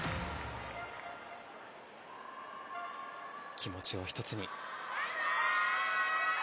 気持ちを１つに。